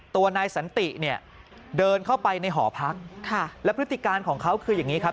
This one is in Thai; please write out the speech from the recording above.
ตัวนายสันติเนี่ยเดินเข้าไปในหอพักค่ะและพฤติการของเขาคืออย่างนี้ครับ